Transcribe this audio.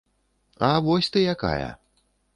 А, вось ты якая.